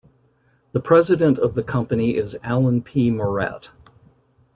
The president of the company is Alan P Moret.